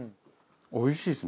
おいしいです。